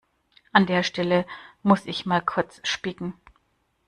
An der Stelle muss ich mal kurz spicken.